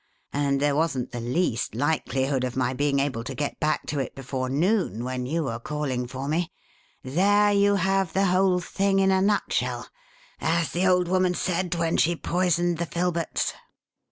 and there wasn't the least likelihood of my being able to get back to it before noon, when you were calling for me 'there you have the whole thing in a nutshell,' as the old woman said when she poisoned the filberts."